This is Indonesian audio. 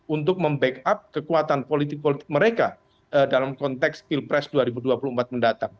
untuk membackup kekuatan politik politik mereka dalam konteks pilpres dua ribu dua puluh empat mendatang